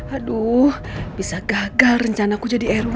aduh bisa gagal rencana aku jadi r w